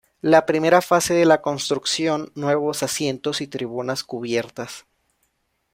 La primera fase de la construcción nuevos asientos y tribunas cubiertas.